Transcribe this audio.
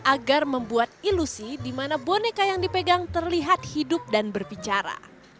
agar membuat ilusi di mana boneka yang dipegang terlihat hidup dan berbicara